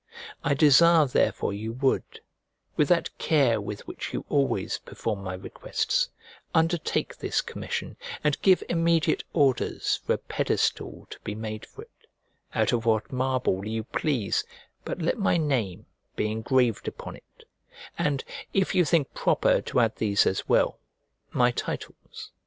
I desire therefore you would, with that care with which you always perform my requests, undertake this commission and give immediate orders for a pedestal to be made for it, out of what marble you please, but let my name be engraved upon it, and, if you think proper to add these as well, my titles.